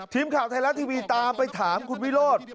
ทีมข่าวไทยรัฐทีวีตามไปถามคุณวิโรธ